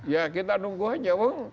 ya kita nunggu aja